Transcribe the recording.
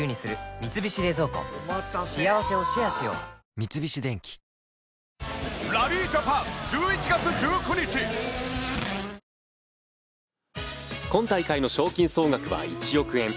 三菱電機今大会の賞金総額は１億円。